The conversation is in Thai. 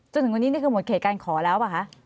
จนถึงวันนี้นี่คือหมดเขตการขอแล้วป่ะคะ